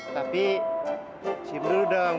tapi si mru dong